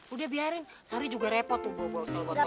udah biarin sari juga repot tuh bawa botol botol